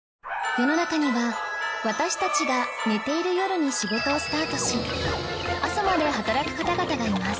世の中には私たちが寝ている夜に仕事をスタートし朝まで働く方々がいます